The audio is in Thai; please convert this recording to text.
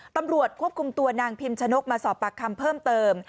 ตำรวจควบคุมตัวนางพิมชนกมาสอบปากคำเพิ่มเติม